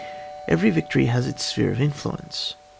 Every victory has its sphere of influence.